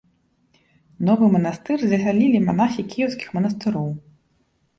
Новы манастыр засялілі манахі кіеўскіх манастыроў.